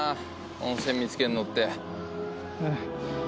温泉見つけるのって。